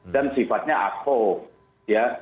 dan sifatnya aku ya